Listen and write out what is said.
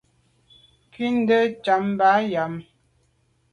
Nkù nde njam ba nyàm.